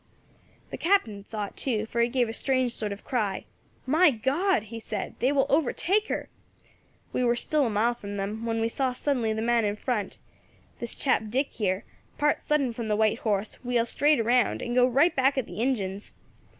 "The Captain saw it too, for he gave a strange sort of cry. 'My God!' he said, 'they will overtake her.' We war still a mile from them, when we saw suddenly the man in front this chap Dick here part sudden from the white horse, wheel straight round, and go right back at the Injins.